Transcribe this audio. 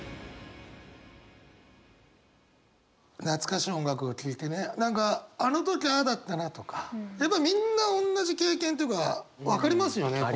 懐かしい音楽を聴いてね何かあの時ああだったなとかやっぱりみんなおんなじ経験っていうか分かりますよね？